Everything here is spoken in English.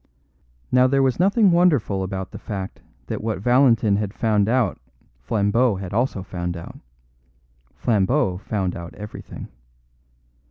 Now there was nothing wonderful about the fact that what Valentin had found out Flambeau had also found out; Flambeau found out everything.